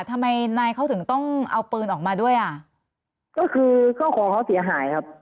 ทำไมนายเขาถึงต้องเอาปืนออกมาด้วยอ่ะก็คือข้าวของเขาเสียหายครับ